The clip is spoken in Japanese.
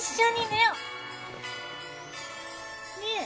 ねえ？